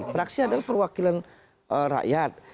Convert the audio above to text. praksi adalah perwakilan rakyat